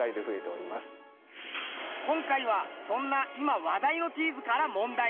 今回はそんな今話題のチーズから問題。